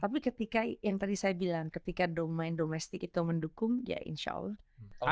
tapi ketika yang tadi saya bilang ketika domain domestik itu mendukung ya insya allah